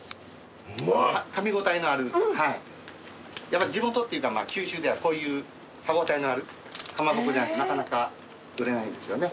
やっぱ地元っていうか九州ではこういう歯応えのあるかまぼこじゃないとなかなか売れないんですよね。